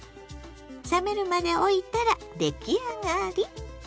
冷めるまでおいたら出来上がり。